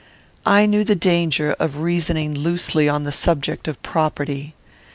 I knew the danger of reasoning loosely on the subject of property.